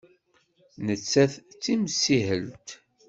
Nettat d timsihelt.